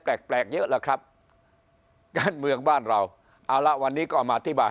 แปลกแปลกเยอะแล้วครับการเมืองบ้านเราเอาละวันนี้ก็มาอธิบาย